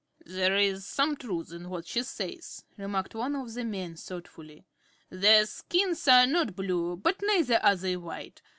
"There is some truth in what she says," remarked one of the men, thoughtfully. "Their skins are not blue, but neither are they white.